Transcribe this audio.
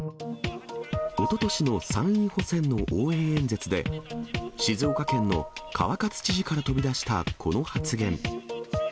おととしの参院補選の応援演説で、静岡県の川勝知事から飛び出したこの発言。